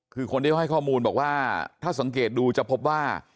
คือคนที่เขาให้ข้อมูลบอกว่าถ้าสังเกตดูจะพบว่า